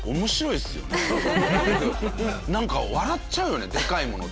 なんか笑っちゃうよねデカいものって。